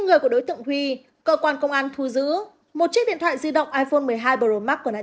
người của đối tượng huy cơ quan công an thu giữ một chiếc điện thoại di động iphone một mươi hai pro max của nạn